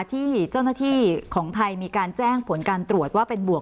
ที่เจ้าหน้าที่ของไทยมีการแจ้งผลการตรวจว่าเป็นบวก